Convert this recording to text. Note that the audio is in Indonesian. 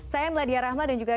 saya meladia rahma dan juga